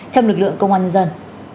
trong lực lượng công an nhân dân